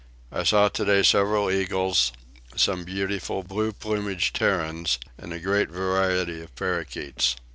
I saw today several eagles, some beautiful blue plumaged herons, and a great variety of parakeets.